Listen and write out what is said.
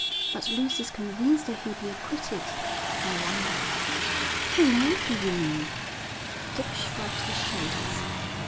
'But Lucy's convinced that he'll be acquitted.' 'I wonder.' 'What on earth do you mean?' Dick shrugged his shoulders.